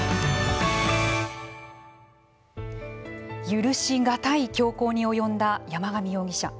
許しがたい凶行に及んだ山上容疑者。